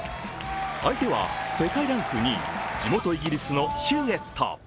相手は世界ランク２位、地元・イギリスのヒューエット。